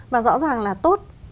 và rõ ràng là tốt